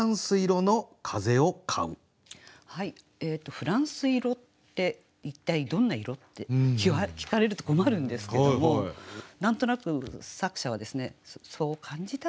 「仏蘭西いろって一体どんな色？」って聞かれると困るんですけども何となく作者はそう感じたんでしょうね。